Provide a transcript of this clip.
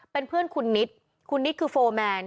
เป็นเพื่อนคุณนิดคุณนิดคือโฟร์แมน